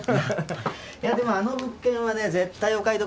いやでもあの物件はね絶対お買い得ですよ。